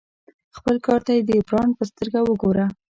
خپل کار ته د برانډ په سترګه وګوره.